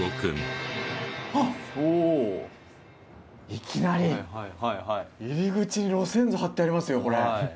いきなり入り口に路線図貼ってありますよこれ。